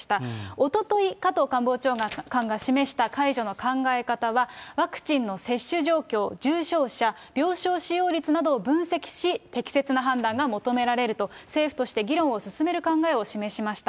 おととい、加藤官房長官が示した解除の考え方は、ワクチンの接種状況、重症者、病床使用率などを分析し、適切な判断が求められると、政府として議論を進める考えを示しました。